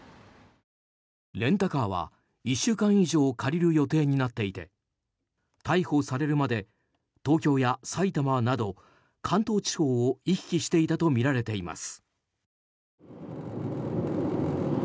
レンタカーは１週間以上借りる予定になっていて逮捕されるまで東京や埼玉など関東地方を行き来していたとみられています。